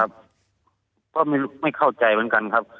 ก็ไม่เข้าใจเหมือนกันครับ